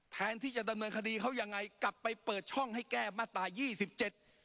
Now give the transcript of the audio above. แทนที่จะดำเนินคดีเขายังไงกลับไปเปิดช่องให้แก้มาตรายี่สิบเจ็ด